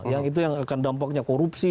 yang itu yang akan dampaknya korupsi